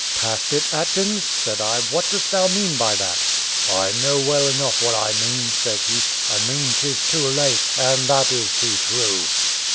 "Past it, Atkins?" said I: "what dost thou mean by that?" "I know well enough what I mean," says he; "I mean 'tis too late, and that is too true."